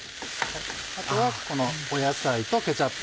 あとはこの野菜とケチャップ